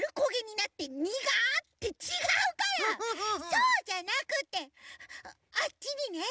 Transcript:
そうじゃなくてあっちにね